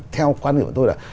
theo quan điểm của tôi là